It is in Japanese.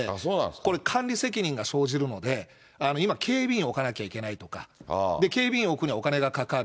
これ、管理責任が生じるので、今、警備員を置かなきゃいけないとか、警備員を置くにはお金がかかる。